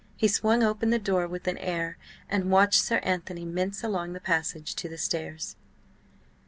He swung open the door with an air, and watched "Sir Anthony" mince along the passage to the stairs.